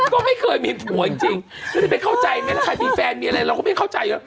ก็ไม่เคยมีผัวจริงไม่เข้าใจแม่ละใครมีแฟนมีอะไรเราก็ไม่เข้าใจ